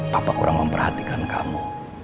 papa kurang memperhatikan kamu